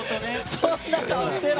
そんな顔してない！